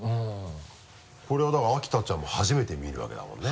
これはだから秋田ちゃんも初めて見るわけだもんね？